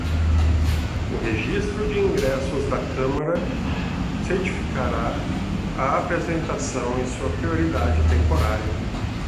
O Registro de ingressos da câmara certificará a apresentação e sua prioridade temporária.